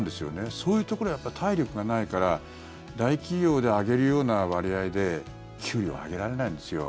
そういうところは体力がないから大企業で上げるような割合で給料、上げられないんですよ。